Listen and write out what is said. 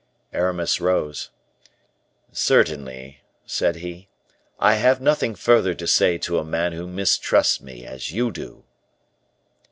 Aramis rose. "Certainly," said he; "I have nothing further to say to a man who mistrusts me as you do."